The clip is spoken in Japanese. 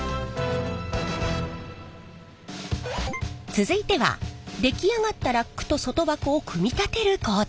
続いては出来上がったラックと外箱を組み立てる工程。